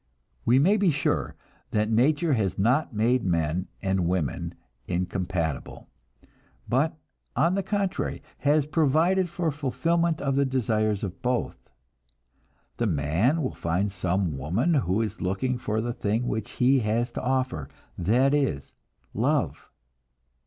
We may be sure that nature has not made men and women incompatible, but on the contrary, has provided for fulfillment of the desires of both. The man will find some woman who is looking for the thing which he has to offer that is, love.